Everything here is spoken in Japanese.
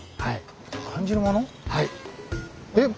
はい。